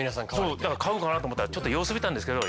だから買うかなと思ったらちょっと様子見たんですけどえ！